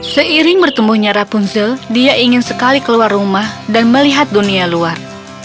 seiring bertemunya rapunzel dia ingin sekali keluar rumah dan melihat dunia luar